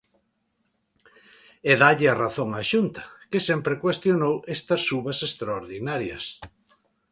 E dálle a razón á Xunta, que sempre cuestionou estas subas extraordinarias.